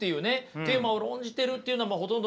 テーマを論じてるっていうのもほとんどないですね。